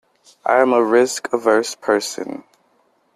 I am a risk-averse person.